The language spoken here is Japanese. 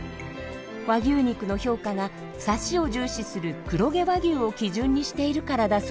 和牛肉の評価がサシを重視する黒毛和牛を基準にしているからだそうです。